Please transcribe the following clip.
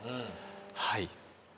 はい。